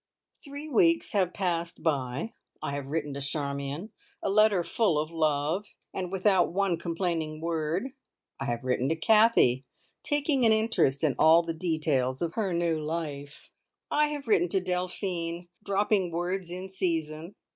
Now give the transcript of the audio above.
Three weeks have passed by. I have written to Charmion, a letter full of love, and without one complaining word. I have written to Kathie, taking an interest in all the details of her new life; I have written to Delphine, dropping words in season.